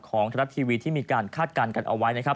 ทรัฐทีวีที่มีการคาดการณ์กันเอาไว้นะครับ